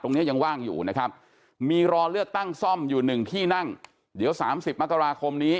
เนี้ยยังว่างอยู่นะครับมีรอเลือกตั้งซ่อมอยู่หนึ่งที่นั่งเดี๋ยว๓๐มกราคมนี้